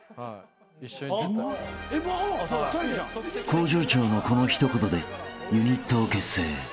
［向上長のこの一言でユニットを結成］